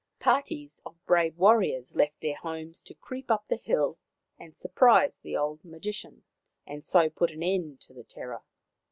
Parties of brave warriors left their homes to creep up the hill and surprise the old magician, and so put an end to the terror.